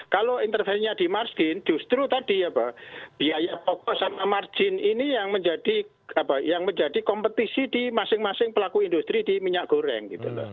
kalau intervensinya di margin justru tadi ya pak biaya pokok sama margin ini yang menjadi kompetisi di masing masing pelaku industri di minyak goreng gitu loh